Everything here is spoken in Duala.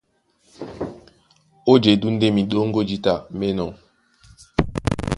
Ó jedú ndé miɗóŋgó jǐta mí enɔ́.